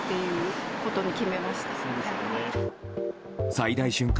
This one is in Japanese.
最大瞬間